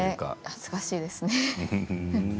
恥ずかしいですね。